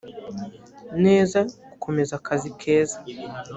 neza gukomeza akazi keza